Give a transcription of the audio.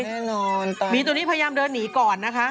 แน่นอนต่อหมีตัวนี้พยายามเดินหนีก่อนนะคะ